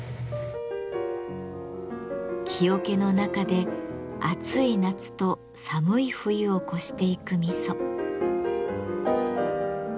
木桶の中で暑い夏と寒い冬を越していく味噌。